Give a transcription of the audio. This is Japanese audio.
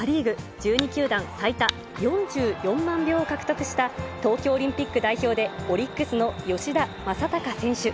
１２球団最多４４万票を獲得した東京オリンピック代表で、オリックスの吉田正尚選手。